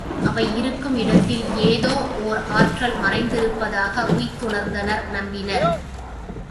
அவை இருக்கும் இடத்தில் ஏதோ ஒர் ஆற்றல் மறைந்திருப்பதாக உய்த்துணர்ந்தனர்நம்பினர்.